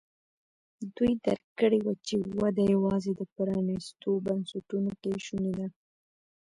دوی درک کړې وه چې وده یوازې د پرانیستو بنسټونو کې شونې ده.